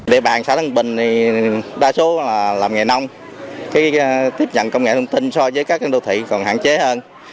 địa bàn xã tân bình thì đa số là làm nghề nông tiếp nhận công nghệ thông tin so với các đô thị còn hạn chế hơn